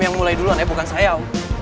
yang mulai duluan ya bukan saya om